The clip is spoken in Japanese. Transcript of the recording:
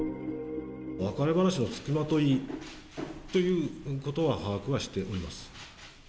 別れ話の付きまといということは把握はしております。